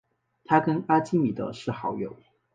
他跟阿基米德是好友。